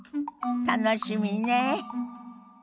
楽しみねえ。